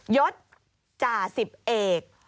ยศจ่าสิบเอก